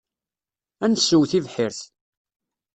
Ad nessew tibḥirt.